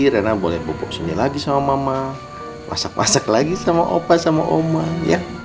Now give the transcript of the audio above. rena boleh pupuk sini lagi sama mama masak masak lagi sama opa sama oman ya